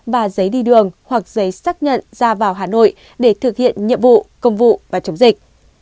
và giấy đi đường hoặc giấy xác nhận ra vào hà nội để thực hiện nhiệm vụ công vụ và chống dịch